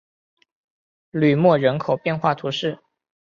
吕莫人口变化图示